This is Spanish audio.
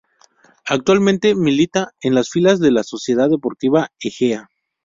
Actualmente milita en las filas de la Sociedad Deportiva Ejea.